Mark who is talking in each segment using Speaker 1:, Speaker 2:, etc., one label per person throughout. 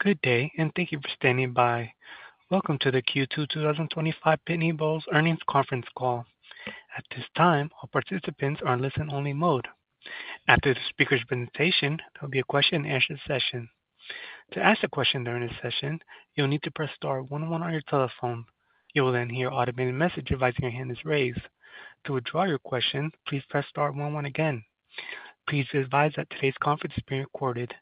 Speaker 1: Good day and thank you for standing by. Welcome to the Q2 2025 Pitney Bowes Earnings Conference Call. At this time all participants are in listen only mode. After the speaker's presentation there will be a question and answer session. To ask a question during this session you will need to press Star 1 1 on your telephone. You will then hear an automated message advising your hand is raised. To withdraw your question, please press star one one again. Please be advised that today's conference is being recorded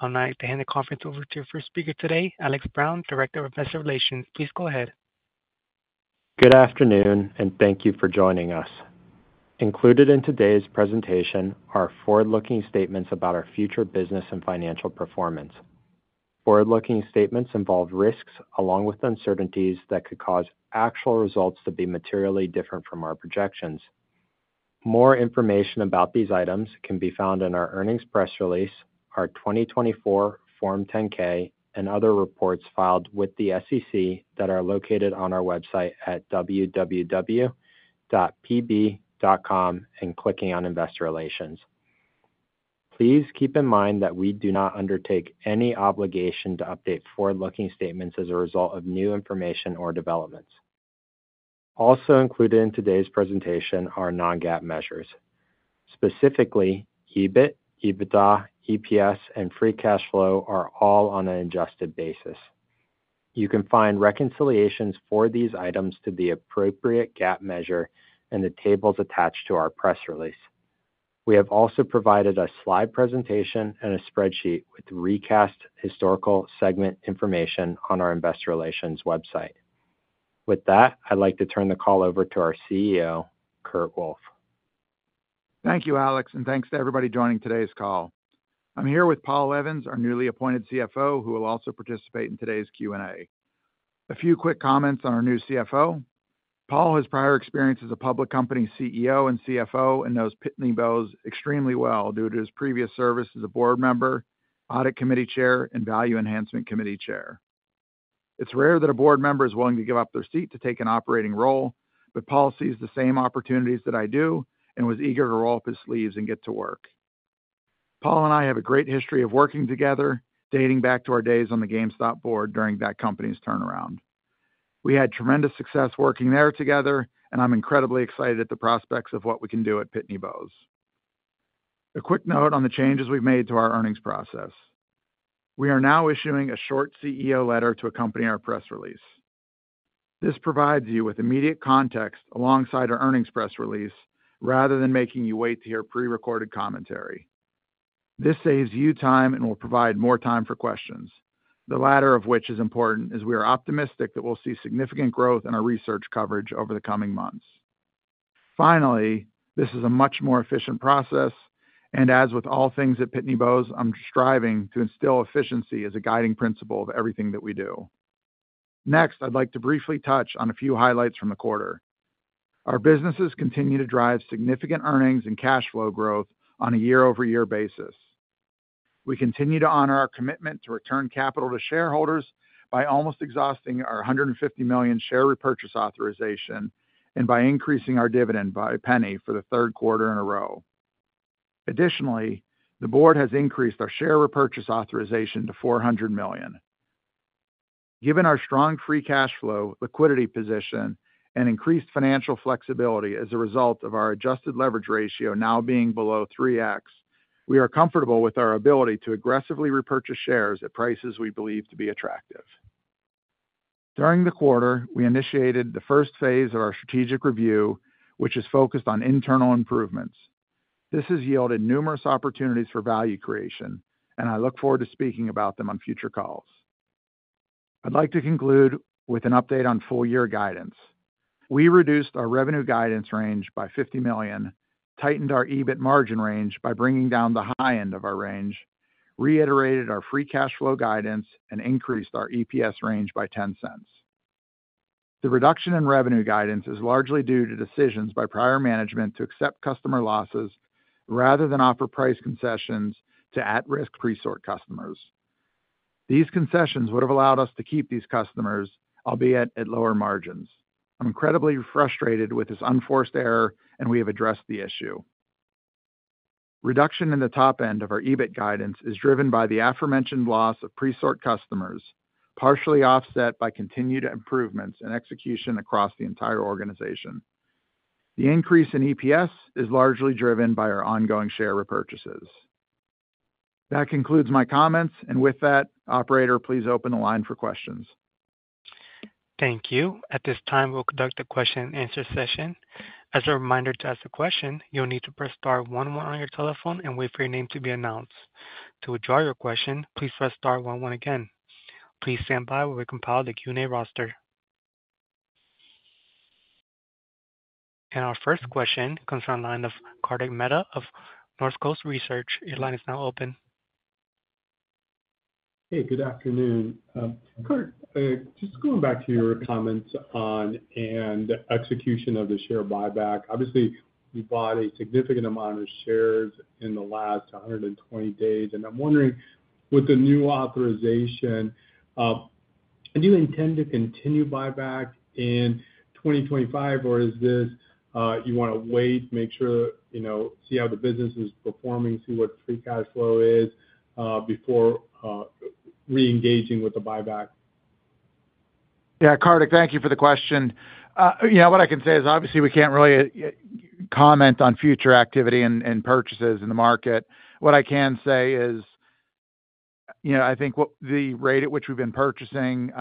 Speaker 1: and I would like to hand the conference over to our first speaker today, Alex Brown, Director of Investor Relations. Please go ahead.
Speaker 2: Good afternoon and thank you for joining us. Included in today's presentation are forward-looking statements about our future business and financial performance. Forward-looking statements involve risks along with uncertainties that could cause actual results to be materially different from our projections. More information about these items can be found in our earnings press release, our 2024 Form 10-K, and other reports filed with the SEC that are located on our website at www.pb.com and clicking on Investor Relations. Please keep in mind that we do not undertake any obligation to update forward-looking statements as a result of new information or developments. Also included in today's presentation are non-GAAP measures. Specifically, EBIT, EBITDA, EPS, and free cash flow are all on an adjusted basis. You can find reconciliations for these items to the appropriate GAAP measure in the tables attached to our press release. We have also provided a slide presentation and a spreadsheet with recast historical segment information on our Investor Relations website. With that, I'd like to turn the call over to our CEO Kurt Wolf.
Speaker 3: Thank you, Alex, and thanks to everybody joining today's call. I'm here with Paul Evans, our newly appointed CFO, who will also participate in today's Q&A. A few quick comments on our new CFO. Paul has prior experience as a public company CEO and CFO and knows Pitney Bowes extremely well due to his previous service as a Board Member, Audit Committee Chair, and Value Enhancement Committee Chair. It's rare that a board member is willing to give up their seat to take an operating role, but Paul sees the same opportunities that I do and was eager to roll up his sleeves and get to work. Paul and I have a great history of working together dating back to our days on the GameStop board during that company's turnaround. We had tremendous success working there together, and I'm incredibly excited at the prospects of what we can do at Pitney Bowes. A quick note on the changes we've made to our earnings process. We are now issuing a short CEO letter to accompany our press release. This provides you with immediate context alongside our earnings press release rather than making you wait to hear pre-recorded commentary. This saves you time and will provide more time for questions, the latter of which is important as we are optimistic that we'll see significant growth in our research coverage over the coming months. Finally, this is a much more efficient process, and as with all things at Pitney Bowes, I'm striving to instill efficiency as a guiding principle of everything that we do. Next, I'd like to briefly touch on a few highlights from the quarter. Our businesses continue to drive significant earnings and cash flow growth on a year-over-year basis. We continue to honor our commitment to return capital to shareholders by almost exhausting our $150 million share repurchase authorization and by increasing our dividend by $0.01 for the third quarter in a row. Additionally, the Board has increased our share repurchase authorization to $400 million. Given our strong free cash flow, liquidity position, and increased financial flexibility as a result of our adjusted leverage ratio now being below 3x, we are comfortable with our ability to aggressively repurchase shares at prices we believe to be attractive. During the quarter, we initiated the first phase of our strategic review, which is focused on internal improvements. This has yielded numerous opportunities for value creation, and I look forward to speaking about them on future calls. I'd like to conclude with an update on full year guidance. We reduced our revenue guidance range by $50 million, tightened our EBIT margin range by bringing down the high end of our range, reiterated our free cash flow guidance, and increased our EPS range by $0.10. The reduction in revenue guidance is largely due to decisions by prior management to accept customer losses rather than offer price concessions to at-risk Presort customers. These concessions would have allowed us to keep these customers, albeit at lower margins. I'm incredibly frustrated with this unforced error and we have addressed the issue. Reduction in the top end of our EBIT guidance is driven by the aforementioned loss of Presort customers, partially offset by continued improvements in execution across the entire organization. The increase in EPS is largely driven by our ongoing share repurchases. That concludes my comments and with that, Operator, please open the line for questions.
Speaker 1: Thank you. At this time, we'll conduct a question and answer session. As a reminder, to ask a question, you'll need to press star one one on your telephone and wait for your name to be announced. To withdraw your question, please press star one one again. Please stand by while we compile the Q&A roster. Our first question comes from the line of Kartik Mehta of Northcoast Research. Your line is now open.
Speaker 4: Hey, good afternoon, Kurt. Just going back to your comments on and execution of the share buyback. Obviously, we bought a significant amount of shares in the last 120 days. I'm wondering, with the new authorization, do you intend to continue buyback in 2025, or do you want to wait, make sure, you know, see how the business is performing, see what free cash flow is before re-engaging with the buyback?
Speaker 3: Yeah, Kartik, thank you for the question. What I can say is obviously we can't really comment on future activity and purchases in the market. What I can say is, I think the rate at which we've been purchasing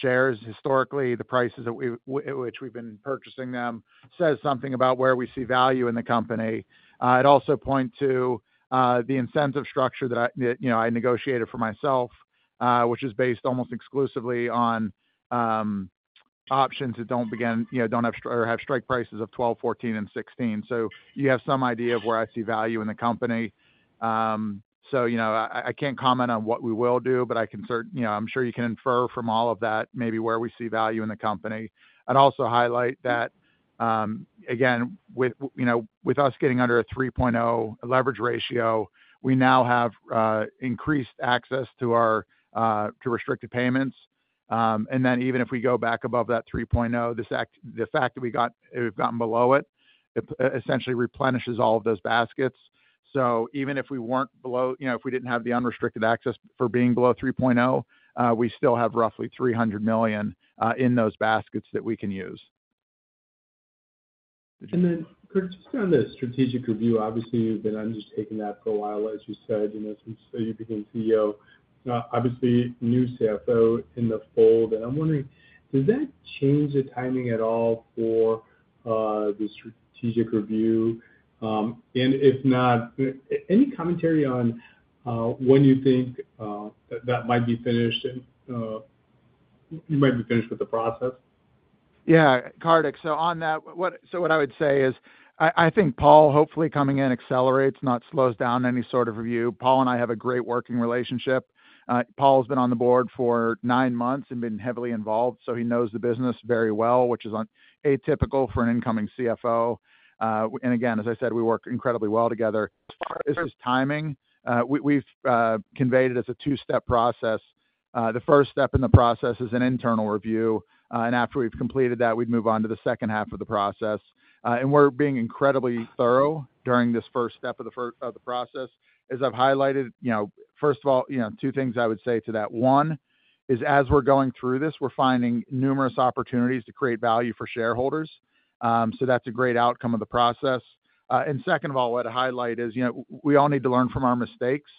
Speaker 3: shares historically, the prices at which we've been purchasing them, says something about where we see value in the company. It also points to the incentive structure that I negotiated for myself, which is based almost exclusively on options that don't begin, don't have strike prices of $12, $14, and $16. You have some idea of where I see value in the company. I can't comment on what we will do, but I'm sure you can infer from all of that maybe where we see value in the company. I'd also highlight that again with us getting under a 3.0 leverage ratio, we now have increased access to our restricted payments. Even if we go back above that 3.0, the fact that we've gotten below it essentially replenishes all of those baskets. Even if we didn't have the unrestricted access for being below 3.0, we still have roughly $300 million in those baskets that we can use.
Speaker 4: Kurt, just on the strategic review, obviously you've been undertaking that for a while, as you said, since you became CEO, new CFO in the fold. I'm wondering, does that change the timing at all for the strategic review? If not, any commentary on when you think that might be finished and you might be finished with the process?
Speaker 3: Yeah, Kartik, on that, what I would say is I think Paul hopefully coming in accelerates, not slows down any sort of review. Paul and I have a great working relationship. Paul's been on the board for nine months and been heavily involved, so he knows the business very well, which is atypical for an incoming CFO. As I said, we work incredibly well together. As far as timing, we've conveyed it as a two-step process. The first step in the process is an internal review, and after we've completed that, we'd move on to the second half of the process. We're being incredibly thorough during this first step of the process as I've highlighted. First of all, two things I would say to that. One is as we're going through this, we're finding numerous opportunities to create value for shareholders. That's a great outcome of the process. Second of all, what I'd highlight is we all need to learn from our mistakes.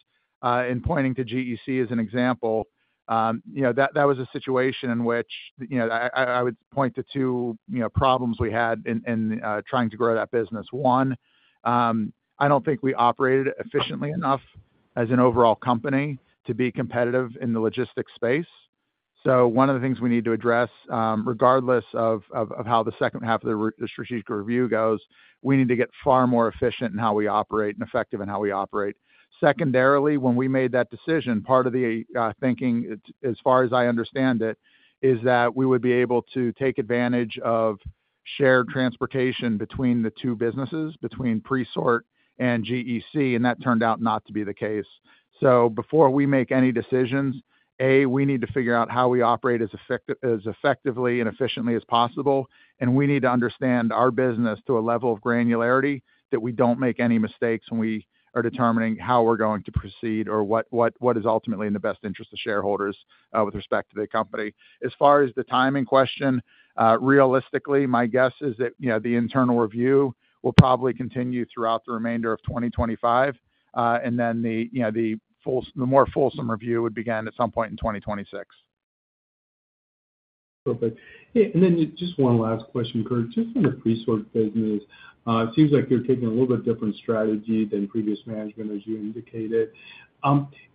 Speaker 3: In pointing to GEC as an example, that was a situation in which I would point to two problems we had in trying to grow that business. One, I don't think we operated efficiently enough as an overall company to be competitive in the logistics space. One of the things we need to address, regardless of how the second half of the strategic review goes, is we need to get far more efficient in how we operate and effective in how we operate secondarily. When we made that decision, part of the thinking, as far as I understand it, is that we would be able to take advantage of shared transportation between the two businesses, between Presort and GEC. That turned out not to be the case. Before we make any decisions, A, we need to figure out how we operate as effectively and efficiently as possible, and we need to understand our business to a level of granularity that we don't make any mistakes when we are determining how we're going to proceed or what is ultimately in the best interest of shareholders with respect to the company. As far as the timing question, realistically my guess is that the internal review will probably continue throughout the remainder of 2025, and then the full, the more fulsome review would begin at some point in 2026.
Speaker 4: Perfect. Just one last question, Kurt. Just on the Presort business, it seems like you're taking a little bit different strategy than previous management as you indicated.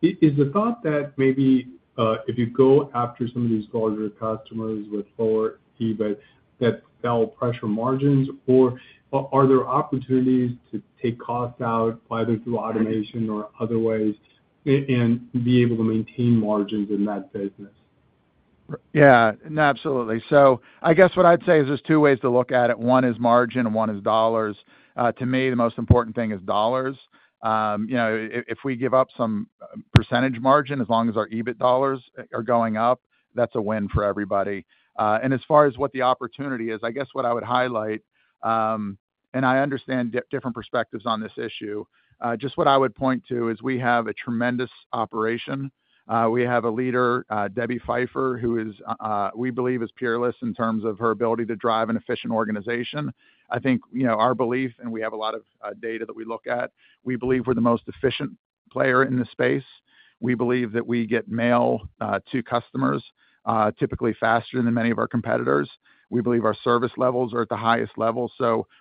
Speaker 4: Is the thought that maybe if you go after some of these larger customers with lower EBIT, that fell pressure margins, or are there opportunities to take costs out either through automation or other ways and be able to maintain margins in that business?
Speaker 3: Yeah, absolutely. I guess what I'd say is there's two ways to look at it. One is margin and one is dollars. To me, the most important thing is dollars. If we give up some percentage margin, as long as our EBIT dollars are going up, that's a win for everybody. As far as what the opportunity is, I guess what I would highlight, and I understand different perspectives on this issue, just what I would point to is we have a tremendous operation. We have a leader, Debbie Pfeiffer, who is, we believe, is peerless in terms of her ability to drive an efficient organization. I think you know our belief, and we have a lot of data that we look at. We believe we're the most efficient player in the space. We believe that we get mail to customers typically faster than many of our competitors. We believe our service levels are at the highest level.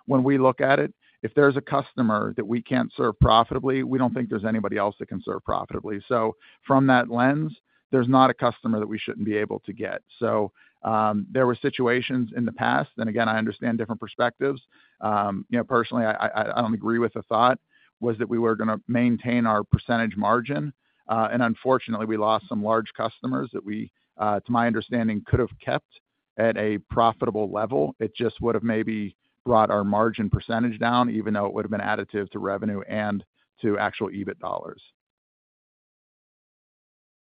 Speaker 3: When we look at it, if there's a customer that we can't serve profitably, we don't think there's anybody else that can serve profitably. From that lens, there's not a customer that we shouldn't be able to get. There were situations in the past, and again, I understand different perspectives. Personally, I don't agree with the thought was that we were going to maintain our percentage margin and unfortunately, we lost some large customers that we, to my understanding, could have kept at a profitable level. It just would have maybe brought our margin percentage down, even though it would have been additive to revenue and to actual EBIT dollars.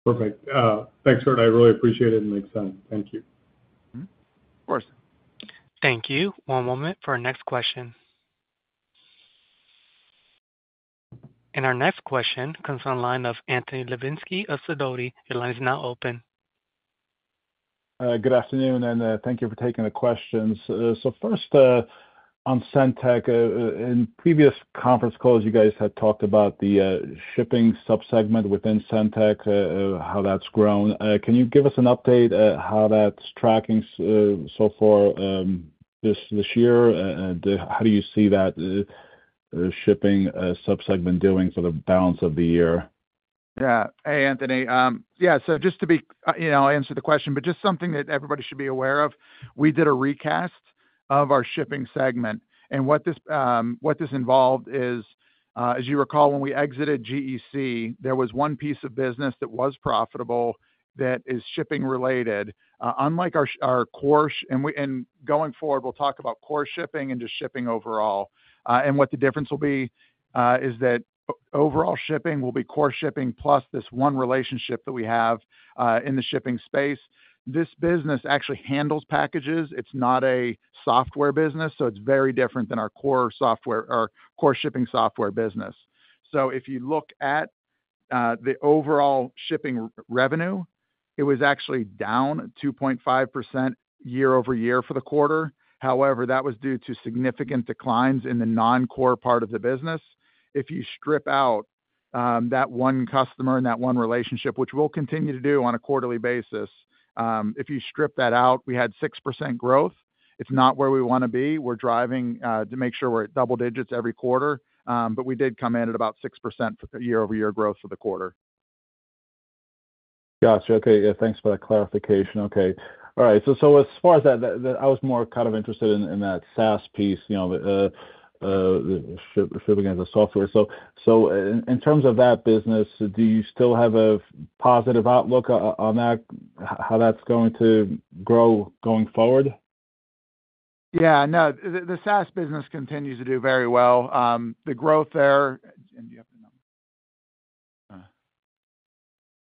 Speaker 4: Perfect. Thanks, Kurt. I really appreciate it. It makes sense. Thank you.
Speaker 1: Thank you. One moment for our next question. Our next question comes from the line of Anthony Lebiedzinski of Sidoti. Your line is now open.
Speaker 5: Good afternoon and thank you for taking the questions. First on SendTech, in previous conference calls, you guys had talked about the shipping subsegment within SendTech, how that's grown. Can you give us an update how that's tracking so far this year? How do you see that shipping subsegment doing for the balance of the year?
Speaker 3: Yeah. Hey, Anthony. Yeah. Just to answer the question, but just something that everybody should be aware of, we did a recast of our shipping segment and what this involved is, as you recall, when we exited GEC, there was one piece of business that was profitable that is shipping related, unlike our core. Going forward, we'll talk about core Shipping and just Shipping overall. What the difference will be is that overall shipping will be core shipping plus this one relationship that we have in the shipping space. This business actually handles packages. It's not a software business, so it's very different than our core shipping software business. If you look at the overall shipping revenue, it was actually down 2.5% year-over- year for the quarter. However, that was due to significant declines in the non-core part of the business. If you strip out that one customer and that one relationship, which we'll continue to do on a quarterly basis, if you strip that out, we had 6% growth. It's not where we want to be. We're driving to make sure we're at double digits every quarter, but we did come in at about 6% for year-over-year growth for the quarter.
Speaker 5: Gotcha. Okay, thanks for that clarification. All right, as far as that, I was more interested in that SaaS piece, you know, shipping as a software. In terms of that business, do you still have a positive outlook on that, how that's going to grow going forward?
Speaker 3: Yeah. No, the SaaS business continues to do very well. The growth there.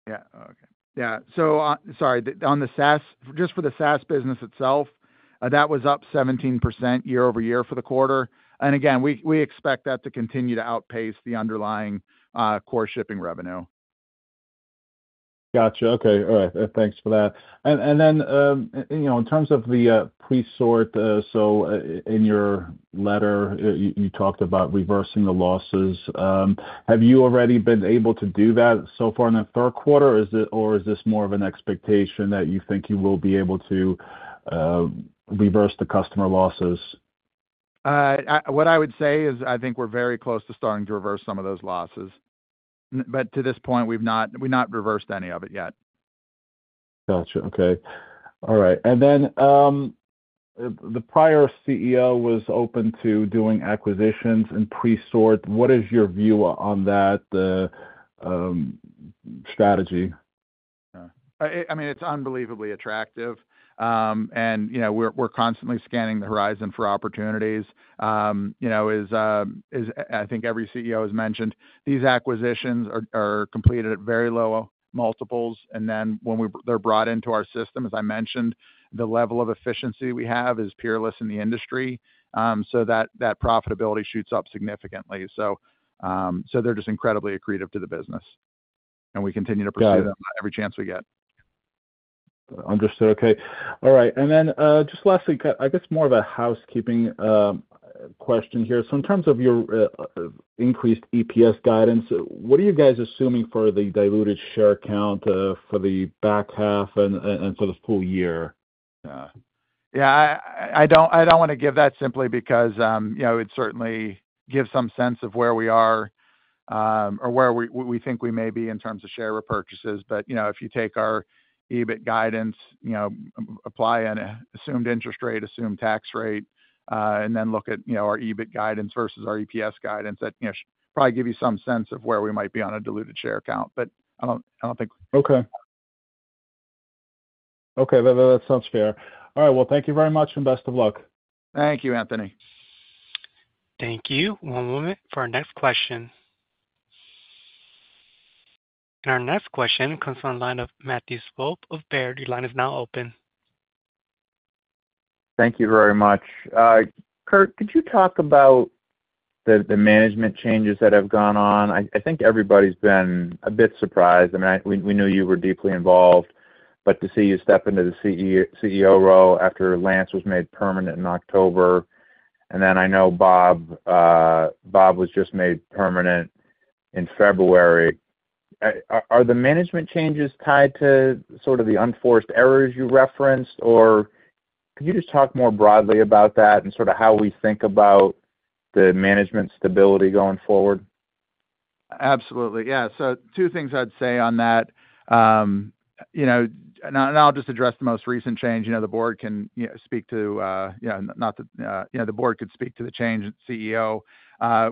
Speaker 3: Yeah. Okay. Yeah. Sorry, on the SaaS, just for the SaaS business itself, that was up 17% year-over-year for the quarter. Again, we expect that to continue to outpace the underlying core shipping revenue.
Speaker 5: Gotcha. Okay. All right, thanks for that. In terms of the Presort, in your letter, you talked about reversing the losses. Have you already been able to do that so far in the third quarter, or is this more of an expectation that you think you will be able to reverse the customer losses?
Speaker 3: What I would say is I think we're very close to starting to reverse some of those losses, but to this point, we've not reversed any of it yet.
Speaker 5: Gotcha. Okay. All right. The prior CEO was open to doing acquisitions in Presort. What is your view on that strategy?
Speaker 3: I mean, it's unbelievably attractive and we're constantly scanning the horizon for opportunities. I think every CEO has mentioned these acquisitions are completed at very low multiples. When they're brought into our system, as I mentioned, the level of efficiency we have is peerless in the industry, so that profitability shoots up significantly. They're just incredibly accretive to the business and we continue to pursue them every chance we get.
Speaker 5: Understood. Okay. All right. Just lastly, I guess more of a housekeeping question here. In terms of your increased EPS guidance, what are you guys assuming for the diluted share count for the back half and sort of full year?
Speaker 3: Yeah, I don't want to give that simply because it certainly gives some sense of where we are or where we think we may be in terms of share repurchases. If you take our EBIT guidance, apply an assumed interest rate, assumed tax rate, and then look at our EBIT guidance versus our EPS guidance, that probably gives you some sense of where we might be on a diluted share count, but I don't think.
Speaker 5: Okay. Okay, that sounds fair. All right, thank you very much and best of luck.
Speaker 3: Thank you, Anthony.
Speaker 1: Thank you. One moment for our next question. Our next question comes from the line of Matthew Swope of Baird. Your line is now open.
Speaker 6: Thank you very much. Kurt, could you talk about the management changes that have gone on? I think everybody's been a bit surprised. We knew you were deeply involved, but to see you step into the CEO role after Lance was made permanent in October, and then I know Bob was just made permanent in February. Are the management changes tied to the unforced errors you referenced, or could you just talk more broadly about that and how we think about the management stability going forward?
Speaker 3: Absolutely, yeah. Two things I'd say on that, and I'll just address the most recent change. The Board can speak to the change in CEO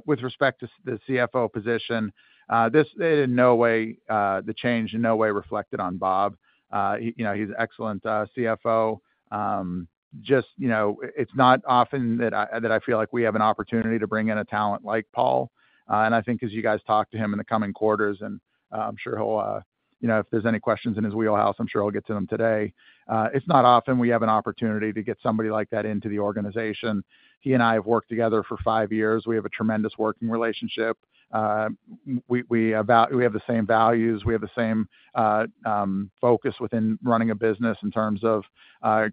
Speaker 3: with respect to the CFO position. This in no way, the change in no way reflected on Bob. He's an excellent CFO. It's just, it's not often that I feel like we have an opportunity to bring in a talent like Paul. I think as you guys talk to him in the coming quarters, and I'm sure if there's any questions in his wheelhouse, he'll get to them today. It's not often we have an opportunity to get somebody like that into the organization. He and I have worked together for five years. We have a tremendous working relationship. We have the same values. We have the same focus within running a business in terms of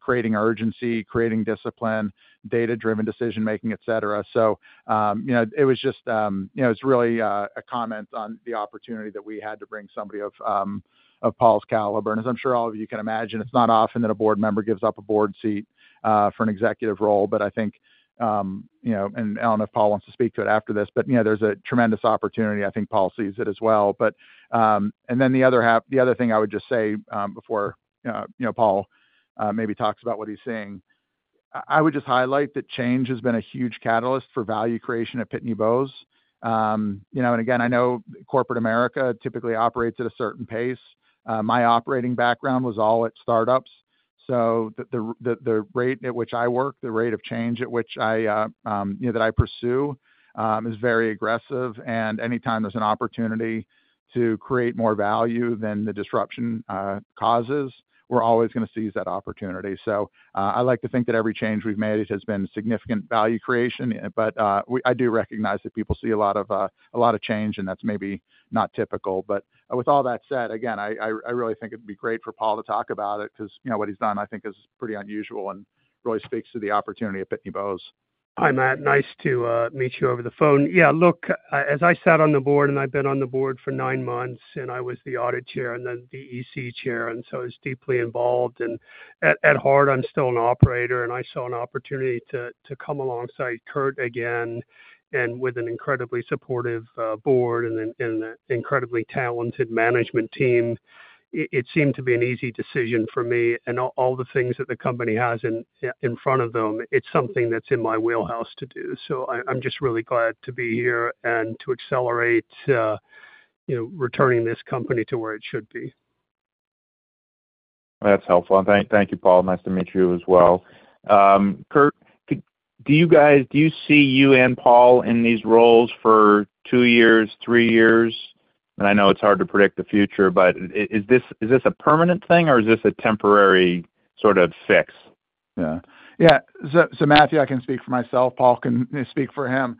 Speaker 3: creating urgency, creating discipline, data-driven decision making, et cetera. It was just, it's really a comment on the opportunity that we had to bring somebody of Paul's caliber. As I'm sure all of you can imagine, it's not often that a board member gives up a board seat for an executive role. I think, and I don't know if Paul wants to speak to it after this, but yeah, there's a tremendous opportunity. I think Paul sees it as well. But. The other thing I would just say before Paul maybe talks about what he's saying, I would just highlight that change has been a huge catalyst for value creation at Pitney Bowes. I know corporate America typically operates at a certain pace. My operating background was all at startups, so the rate at which I work, the rate of change that I pursue is very aggressive. Anytime there's an opportunity to create more value than the disruption causes, we're always going to seize that opportunity. I like to think that every change we've made has been significant value creation. I do recognize that people see a lot of change, and that's maybe not typical. With all that said, I really think it'd be great for Paul to talk about it because what he's done I think is pretty unusual and really speaks to the opportunity at Pitney Bowes.
Speaker 7: Hi, Matt. Nice to meet you over the phone. Yeah. As I sat on the board and I've been on the board for nine months, I was the Audit and then BEC Chair, and I was deeply involved. At heart, I'm still an operator. I saw an opportunity to come alongside Kurt again. With an incredibly supportive board and incredibly talented management team, it seemed to be an easy decision for me, and all the things that the company has in front of them, it's something that's in my wheelhouse to do. I'm just really glad to be here and to accelerate returning this company to where it should be.
Speaker 6: That's helpful. Thank you, Paul. Nice to meet you as well, Kurt. Do you see you and Paul in these roles for two years, three years? I know it's hard to predict the future, but is this a permanent thing or is this a temporary sort of fix?
Speaker 3: Yeah. Yeah. Matthew, I can speak for myself. Paul can speak for him.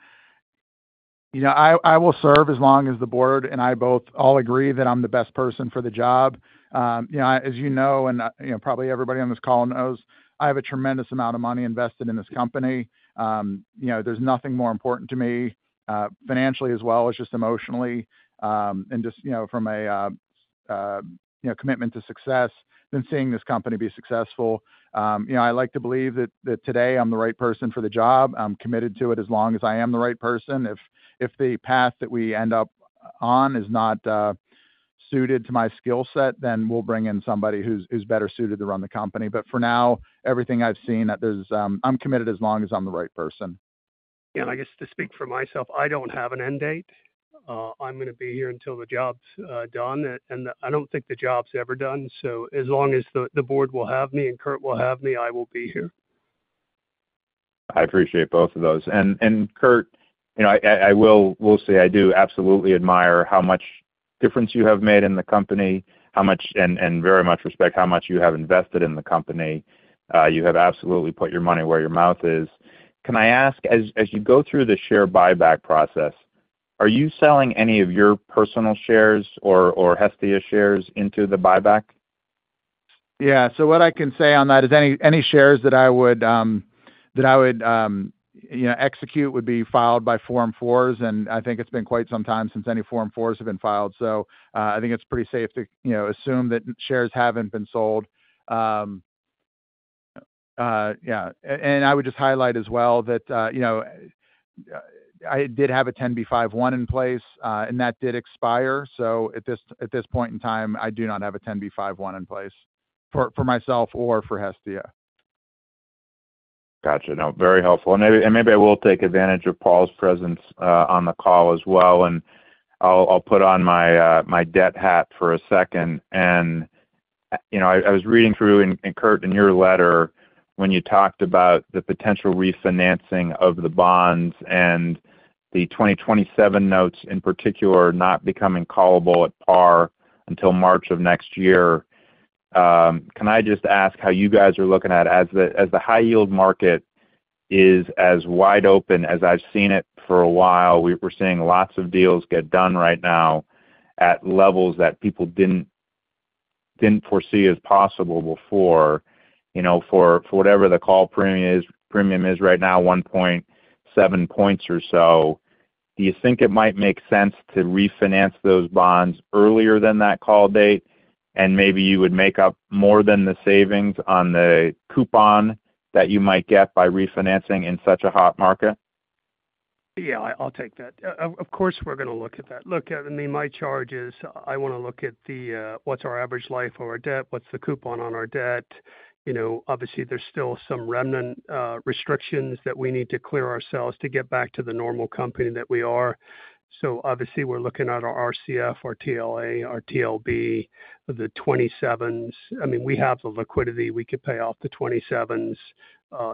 Speaker 3: I will serve as long as the Board and I both agree that I'm the best person for the job. As you know and probably everybody on this call knows, I have a tremendous amount of money invested in this company. There's nothing more important to me financially as well as just emotionally and from a commitment to success than seeing this company be successful. I like to believe that today I'm the right person for the job. I'm committed to it as long as I am the right person. If the path that we end up on is not suited to my skill set, then we'll bring in somebody who's better suited to run the company. For now, everything I've seen is that I'm committed as long as I'm the right person.
Speaker 7: Yeah, I guess to speak for myself, I don't have an end date. I'm going to be here until the job's done. I don't think the job's ever done. As long as the board will have me and Kurt will have me, I will be here.
Speaker 6: I appreciate both of those. Kurt, I will say I do absolutely admire how much difference you have made in the company and very much respect how much you have invested in the company. You have absolutely put your money where your mouth is. Can I ask, as you go through the share buyback process, are you selling any of your personal shares or Hestia shares into the buyback?
Speaker 3: What I can say on that is any shares that I would execute would be filed by Form 4s. I think it's been quite some time since any Form 4s have been filed. I think it's pretty safe to assume that shares haven't been sold. Yeah. I would just highlight as well that, you know, I did have a 10b5-1 in place and that did expire. At this point in time, I do not have a 10b5-1 in place for myself or for Hestia.
Speaker 6: Gotcha. No, very helpful. Maybe I will take advantage of Paul's presence on the call as well. I'll put on my debt hat for a second. I was reading through, Kurt, in your letter when you talked about the potential refinancing of the bonds and the 2027 notes in particular, not becoming callable at par until March of next year. Can I just ask how you guys are looking at, as the high yield market is as wide open as I've seen it for a while? We're seeing lots of deals get done right now at levels that people didn't foresee as possible before. For whatever the call premium is right now, 1.7 points or so, do you think it might make sense to refinance those bonds earlier than that call date? Maybe you would make up more than the savings on the coupon that you might get by refinancing in such a hot market?
Speaker 7: Yeah, I'll take that. Of course we're going to look at that. Look, I mean, my charge is I want to look at the average life of our debt. What's the coupon on our debt? Obviously, there's still some remnant restrictions that we need to clear ourselves to get back to the normal company that we are. Obviously, we're looking at our RCF, our TLA, our TLB, the 2027s. I mean, we have the liquidity. We could pay off the 2027s.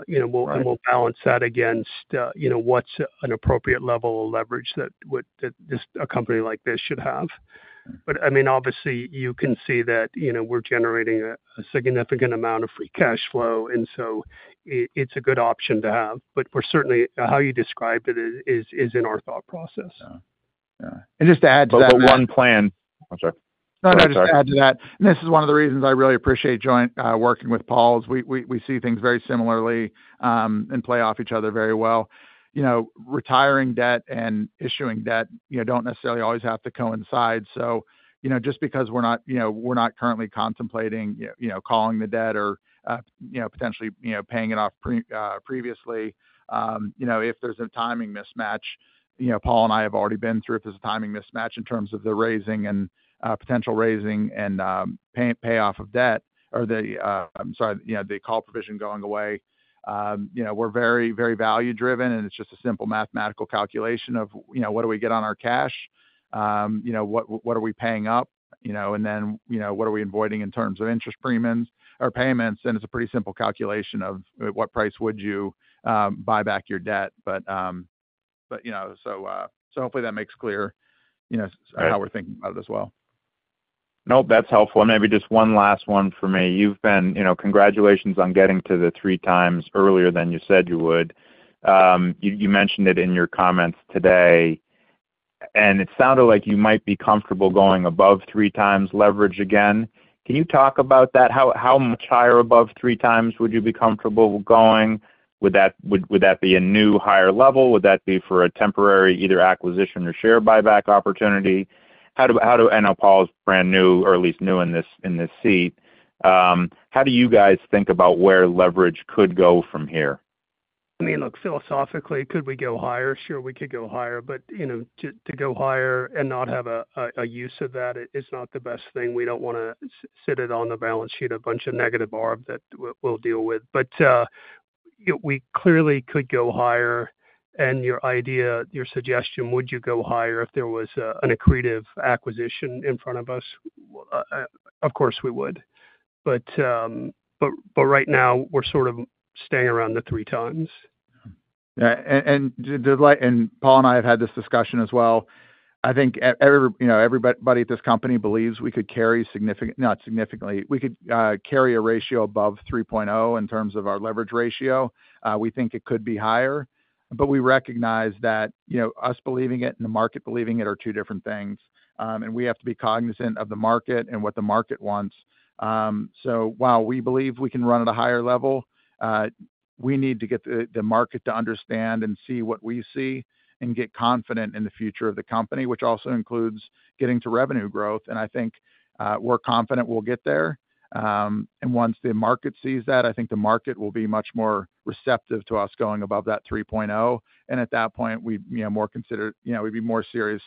Speaker 7: We'll balance that against what's an appropriate level of leverage that a company like this should have. I mean, obviously you can see that we're generating a significant amount of free cash flow, and it's a good option to have. Certainly, how you described it is in our thought process.
Speaker 3: To add to that.
Speaker 6: One plan.
Speaker 3: I'm sorry. No, just to add to that. This is one of the reasons I really appreciate working with Paul. We see things very similarly and play off each other very well. Retiring debt and issuing debt don't necessarily always have to coincide. Just because we're not currently contemplating calling the debt or potentially paying it off previously, if there's a timing mismatch, Paul and I have already been through if there's a timing mismatch in terms of the raising and potential raising and payoff of debt or the call provision going away, we're very, very value driven and it's just a simple mathematical calculation of what do we get on our cash, what are we paying up, and then what are we avoiding in terms of interest, premiums, or payments. It's a pretty simple calculation of at what price would you buy back your debt. Hopefully that makes clear how we're thinking about it as well.
Speaker 6: Nope, that's helpful. Maybe just one last one for me. You've been, you know, congratulations on getting to the three times earlier than you said you would. You mentioned it in your comments today, and it sounded like you might be comfortable going above three times leverage again. Can you talk about that? How much higher above three times would you be comfortable going? Would that be a new, higher level? Would that be for a temporary either acquisition or share buyback opportunity? Paul's brand new or at least new in this seat. How do you guys think about where leverage could go from here?
Speaker 7: I mean, philosophically, could we go higher? Sure, we could go higher. To go higher and not have a use of that is not the best thing. We don't want to sit it on the balance sheet, a bunch of negative arb that we'll deal with, but we clearly could go higher. Your idea, your suggestion, would we go higher if there was an accretive acquisition in front of us? Of course we would. Right now we're sort of staying around the three times.
Speaker 3: Paul and I have had this discussion as well. I think everybody at this company believes we could carry, not significantly, we could carry a ratio above 3.0 in terms of our leverage ratio. We think it could be higher. We recognize that us believing it and the market believing it are two different things. We have to be cognizant of the market and what the market wants. While we believe we can run at a higher level, we need to get the market to understand and see what we see and get confident in the future of the company, which also includes getting to revenue growth. I think we're confident we'll get there. Once the market sees that, I think the market will be much more receptive to us going above that 3.0. At that point, we would be more serious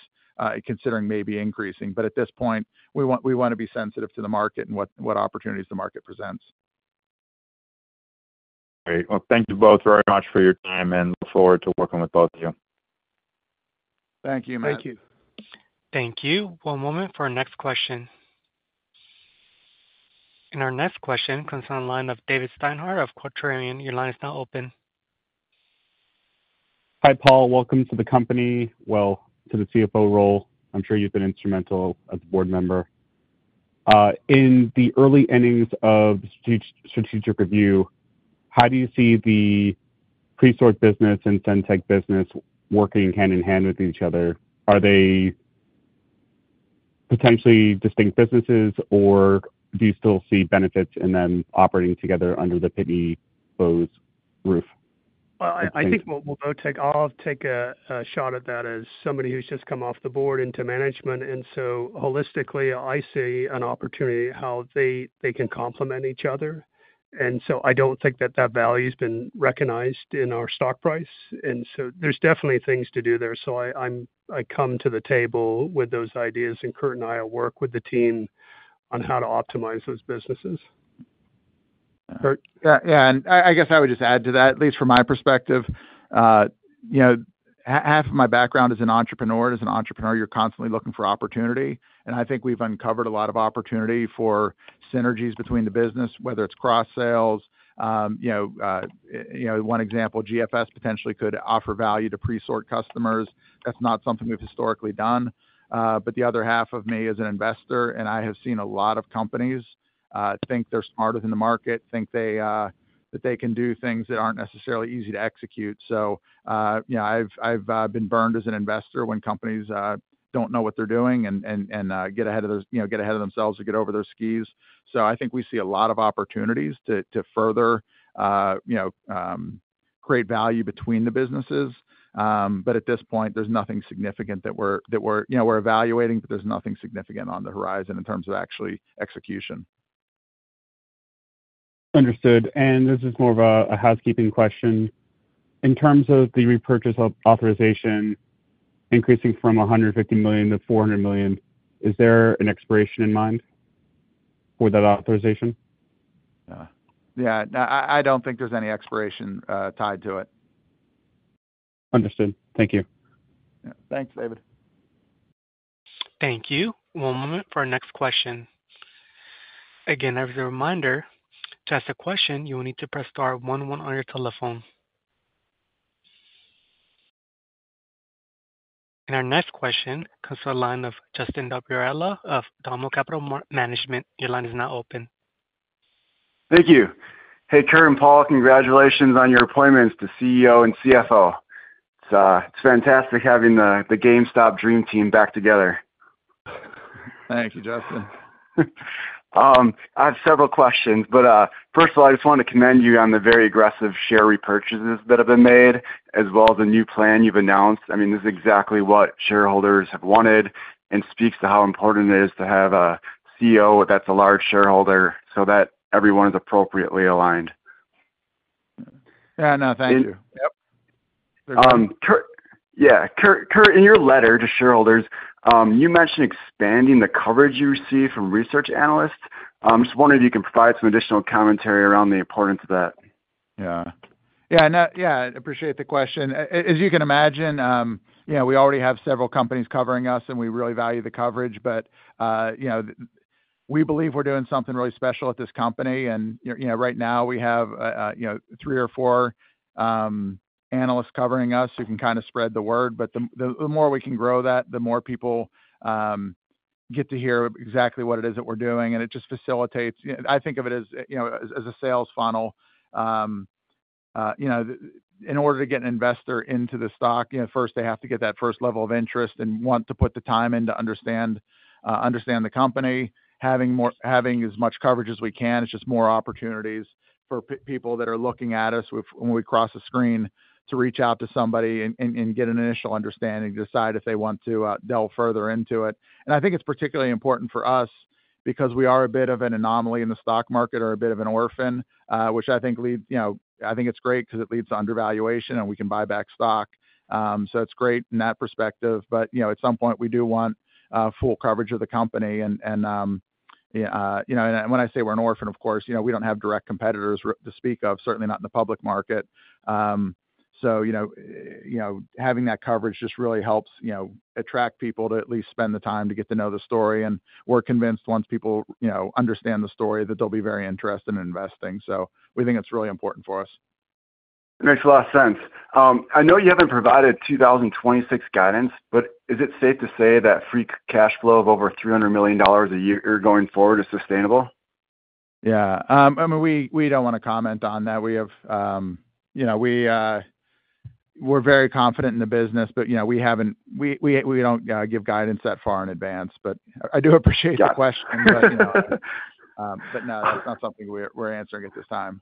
Speaker 3: considering maybe increasing. At this point, we want to be sensitive to the market and what opportunities the market presents.
Speaker 6: Thank you both very much for your time and look forward to working.
Speaker 3: Thank you.
Speaker 7: Thank you.
Speaker 1: Thank you. One moment for our next question. Our next question comes from the line of David Steinhardt of Contrarian. Your line is now open.
Speaker 8: Hi, Paul. Welcome to the company, to the CFO role. I'm sure you've been instrumental as a Board member in the early innings of strategic review. How do you see the Presort business and SendTech business working hand in hand with each other? Are they potentially distinct businesses, or do ou still see benefits in them operating together under the Pitney Bowes roof?
Speaker 7: I think I'll take a shot at that. As somebody who's just come off the board into management, holistically I see an opportunity how they can complement each other. I don't think that value has been recognized in our stock price, and there's definitely things to do there. I come to the table with those ideas, and Kurt and I work with the team on how to optimize those businesses.
Speaker 3: I guess I would just add to that, at least from my perspective. Half of my background is an entrepreneur. As an entrepreneur, you're constantly looking for opportunity. I think we've uncovered a lot of opportunity for synergies between the business, whether it's cross sales. One example, GFS potentially could offer value to Presort customers. That's not something we've historically done. The other half of me is an investor and I have seen a lot of companies think they're smarter than the market, think that they can do things that aren't necessarily easy to execute. I've been burned as an investor when companies don't know what they're doing and get ahead of themselves or get over their skis. I think we see a lot of opportunities to further create value between the businesses. At this point, there's nothing significant that we're evaluating, there's nothing significant on the horizon in terms of actual execution.
Speaker 8: Understood. This is more of a housekeeping question. In terms of the repurchase authorization increasing from $150 million to $400 million, is there an expiration in mind for that authorization?
Speaker 3: Yeah, I don't think there's any expiration tied to it.
Speaker 8: Understood. Thank you.
Speaker 3: Thanks, David.
Speaker 1: Thank you. One moment for our next question. As a reminder, to ask a question, you will need to press star one one on your telephone. Our next question comes from the line of Justin Dopierala of DOMO Capital Management. Your line is now open.
Speaker 9: Thank you. Hey, Kurt and Paul, congratulations on your appointments to CEO and CFO. It's fantastic having the GameStop dream team back together.
Speaker 3: Thank you, Justin.
Speaker 9: I have several questions, but first of all, I just want to commend you on the very aggressive share repurchases that have been made, as well as a new plan you've announced. I mean, this is exactly what shareholders have wanted and speaks to how important it is to have a CEO that's a large shareholder so that everyone is appropriately aligned.
Speaker 3: Yeah, no, thank you.
Speaker 9: Yeah. Kurt, in your letter to shareholders, you mentioned expanding the coverage you receive from research analysts. Just wonder if you can provide some additional commentary around the importance of that.
Speaker 3: Yeah, appreciate the question. As you can imagine, we already have several companies covering us and we really value the coverage, but we believe we're doing something really special at this company. Right now we have three or four analysts covering us who can kind of spread the word, but the more we can grow that, the more people get to hear exactly what it is that we're doing. It just facilitates, I think of it as a sales funnel. In order to get an investor into the stock, first they have to get that first level of interest and want to put the time in to understand the company. Having as much coverage as we can is just more opportunities for people that are looking at us when we cross the screen to reach out to somebody and get an initial understanding, decide if they want to delve further into it. I think it's particularly important for us because we are a bit of an anomaly in the stock market or a bit of an orphan, which I think is great because it leads to undervaluation and we can buy back stock. It's great in that perspective. At some point we do want full coverage of the company. When I say we're an orphan, of course, we don't have direct competitors to speak of, certainly not in the public market. Having that coverage just really helps attract people to at least spend the time to get to know the story. We're convinced once people understand the story that they'll be very interested in investing. We think it's really important for us.
Speaker 9: It makes a lot of sense. I know you haven't provided 2026 guidance, but is it safe to say that free cash flow of over $300 million a year going forward is sustainable?
Speaker 3: Yeah, we don't want to comment on that. We are very confident in the business, but we don't give guidance that far in advance. I do appreciate your question. No, that's not something we're answering at this time.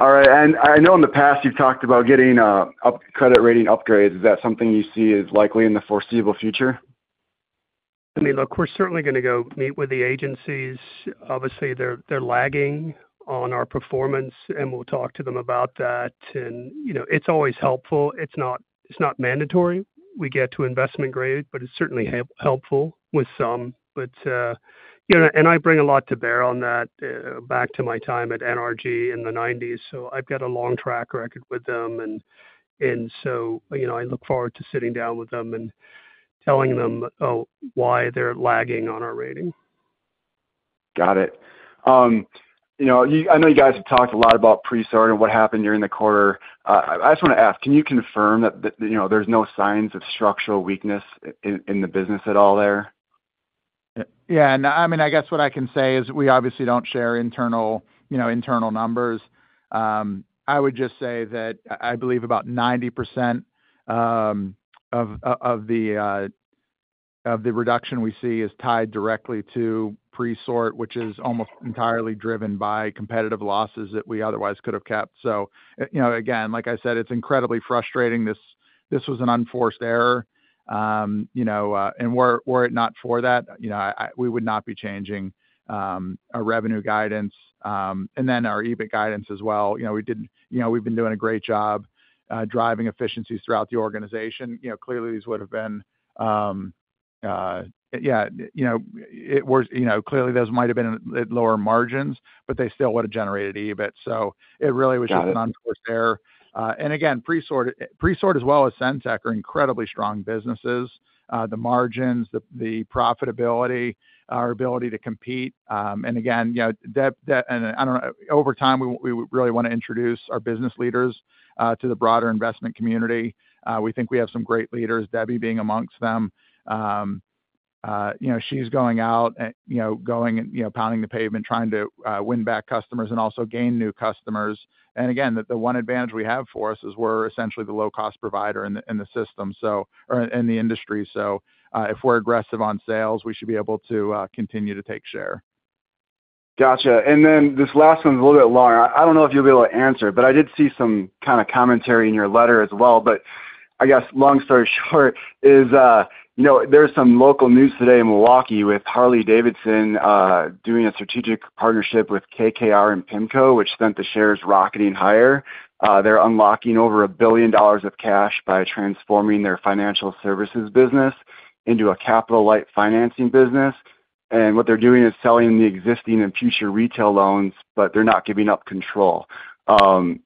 Speaker 9: All right. I know in the past you've talked about getting credit rating upgrades. Is that something you see is likely in the foreseeable future?
Speaker 7: I mean, look, we're certainly going to go meet with the agencies. Obviously, they're lagging on our performance, and we'll talk to them about that. It's always helpful. It's not mandatory we get to investment grade, but it's certainly helpful with some. I bring a lot to bear on that back to my time at NRG in the 1990s. I've got a long track record with them, so I look forward to sitting down with them and telling them why they're lagging on our rating.
Speaker 9: Got it. You know, I know you guys have talked a lot about Presort and what happened during the quarter. I just want to ask, can you confirm that there's no signs of structural weakness in the business at all there?
Speaker 3: Yeah. I guess what I can say is we obviously don't share internal, you know, internal numbers. I would just say that I believe about 90% of the reduction we see is tied directly to Presort, which is almost entirely driven by competitive losses that we otherwise could have kept. Again, like I said, it's incredibly frustrating. This was an unforced error, and were it not for that, we would not be changing our revenue guidance and then our EBIT guidance as well. We've been doing a great job driving efficiencies throughout the organization. Clearly these would have been at lower margins, but they still would have generated EBIT. It really was just an unforced error. Presort as well as SendTech are incredibly strong businesses. The margins, the profitability, our ability to compete, and again, debt, and I don't know, over time we really want to introduce our business leaders to the broader investment community. We think we have some great leaders, Debbie being amongst them. She's going out, going and pounding the pavement, trying to win back customers and also gain new customers. The one advantage we have for us is we're essentially the low cost provider in the industry. If we're aggressive on sales, we should be able to continue to take share.
Speaker 9: Gotcha. This last one's a little bit long. I don't know if you'll be able to answer, but I did see some kind of commentary in your letter as well. Long story short is there's some local news today in Milwaukee with Harley-Davidson doing a strategic partnership with KKR and PIMCO, which sent the shares rocketing higher. They're unlocking over $1 billion of cash by transforming their financial services business into a capital-light financing business. What they're doing is selling the existing and future retail loans, but they're not giving up control. The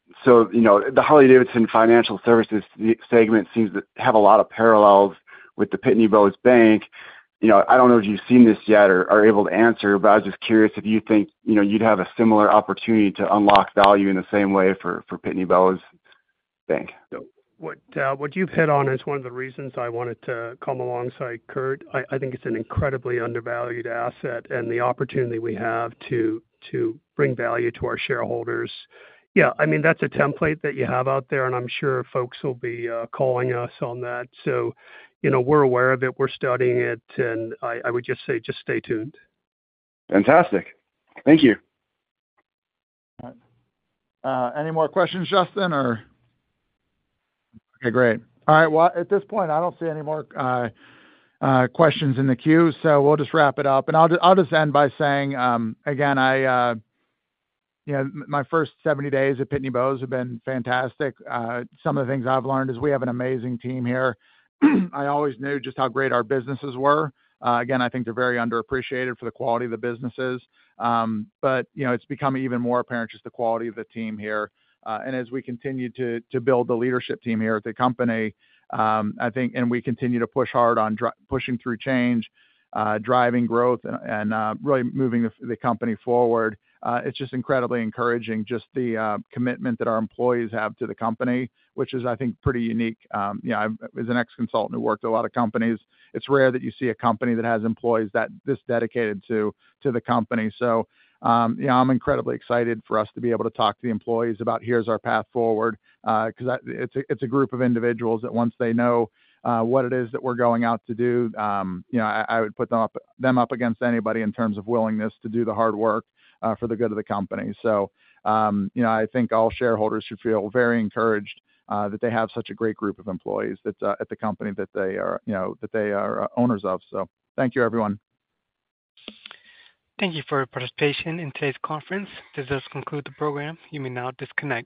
Speaker 9: Harley-Davidson Financial Services segment seems to have a lot of parallels with the Pitney Bowes Bank. I don't know if you've seen this yet or are able to answer, but I was just curious if you think you'd have a similar opportunity to unlock value in the same way for Pitney Bowes Bank.
Speaker 7: What you've hit on is one of the reasons I wanted to come alongside Kurt. I think it's an incredibly undervalued asset and the opportunity we have to bring value to our shareholders. I mean, that's a template that you have out there and I'm sure folks will be calling us on that. We're aware of it, we're studying it and I would just say just stay tuned.
Speaker 9: Fantastic. Thank you.
Speaker 3: Any more questions, Justin? Okay, great. At this point, I don't see any more questions in the queue, so we'll just wrap it up and I'll just end by saying again, my first 70 days at Pitney Bowes have been fantastic. Some of the things I've learned is we have an amazing team here. I always knew just how great our businesses were. I think they're very underappreciated for the quality of the businesses, but it's become even more apparent just the quality of the team here. As we continue to build the leadership team here at the company, I think we continue to push hard on pushing through changes, driving growth and really moving the company forward. It's just incredibly encouraging, just the commitment that our employees have to the company, which is, I think, pretty unique. I was an ex-consultant who worked at a lot of companies. It's rare that you see a company that has employees this dedicated to the company. I'm incredibly excited for us to be able to talk to the employees about here's our path forward, because it's a group of individuals that once they know what it is that we're going out to do, I would put them up against anybody in terms of willingness to do the hard work for the good of the company. I think all shareholders should feel very encouraged that they have such a great group of employees at the company that they are owners of. Thank you everyone.
Speaker 1: Thank you for your participation in today's conference. This does conclude the program. You may now disconnect.